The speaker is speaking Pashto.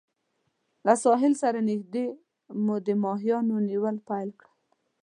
له ساحل سره نږدې مو د ماهیانو نیول پیل کړل.